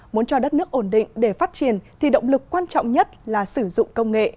muốn cho đất nước ổn định để phát triển thì động lực quan trọng nhất là sử dụng công nghệ